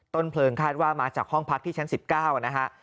ต้นเพลิงคาดว่ามาจากห้องพักที่ชั้น๑๙นะฮะ